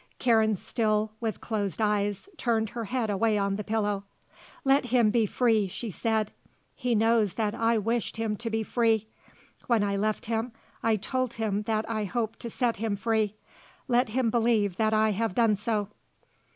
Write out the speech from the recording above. Karen still with closed eyes, turned her head away on the pillow. "Let him be free," she said. "He knows that I wished him to be free. When I left him I told him that I hoped to set him free. Let him believe that I have done so."